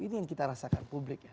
ini yang kita rasakan publiknya